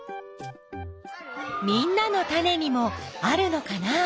みんなのタネにもあるのかな？